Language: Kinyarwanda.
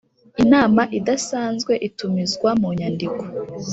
Inama idasanzwe itumizwa mu nyandiko.